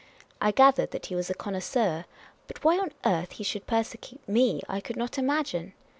I gathered that he was a connoisseur ; but why on earth he should persecute me I could not imagine.